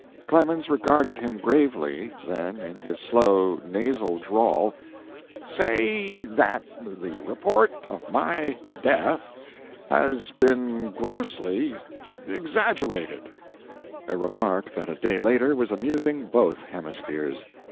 Clemens regarded him gravely, then, in his slow, nasal drawl, "Say that the report of my death has been grossly exaggerated, "a remark that a day later was amusing both hemispheres.